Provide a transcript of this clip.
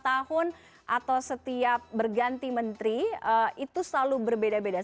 tahun atau setiap berganti menteri itu selalu berbeda beda